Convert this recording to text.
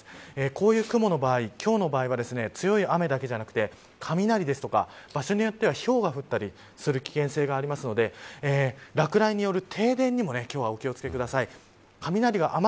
こういう雲の場合今日の場合は強い雨だけではなくて雷や、場所によってはひょうが降ったりする危険性があるので落雷による停電にも今日はお気を付けください。